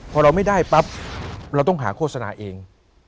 พอเราไม่ได้ปั๊บเราต้องหาโฆษณาเอง